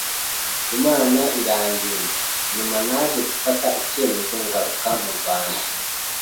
Imana irandinda, nyuma naje gufata icyemezo ngaruka mu Rwanda